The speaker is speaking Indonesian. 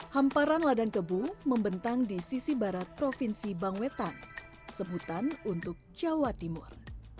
hamparan ladang kebu membentang di sisi barat provinsi bangwetan sebutan untuk jawa timur